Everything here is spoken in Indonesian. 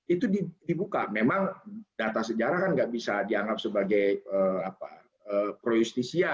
itu dibuka memang data sejarah kan nggak bisa dianggap sebagai pro justisia